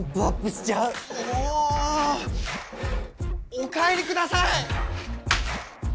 お帰りください！